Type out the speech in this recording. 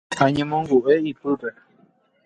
Oñemongu'e ypýpe.